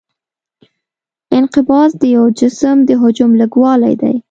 انقباض د یو جسم د حجم لږوالی دی.